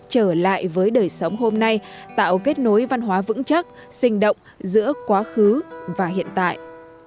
trở lại với đời sống hôm nay tạo kết nối văn hóa vững chắc sinh động giữa quá khứ và hiện tại